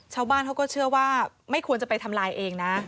ชาวบ้านเขาก็เชื่อว่าไม่ควรจะไปทำลายเองนะ